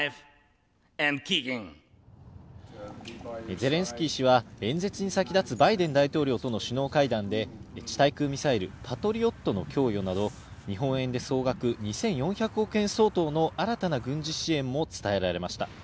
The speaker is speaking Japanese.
ゼレンスキー氏は演説に先立つバイデン大統領との首脳会談で、地対空ミサイル、パトリオットの供与など日本円で総額２４００億円相当の新たな軍事支援も伝えられました。